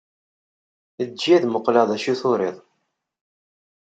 Eǧǧ-iyi ad muqqleɣ acu turiḍ.